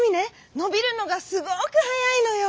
のびるのがすごくはやいのよ。